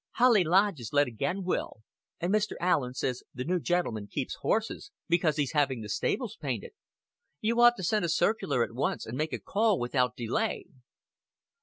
"Holly Lodge is let again, Will, and Mr. Allen says the new gentleman keeps horses because he's having the stables painted. You ought to send a circular at once, and make a call without delay."